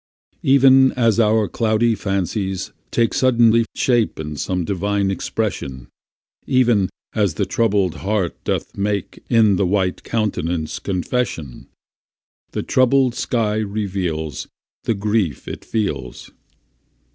Even as our cloudy fancies take Suddenly shape in some divine expression, Even as the troubled heart doth make In the white countenance confession, The troubled sky reveals The grief it feels.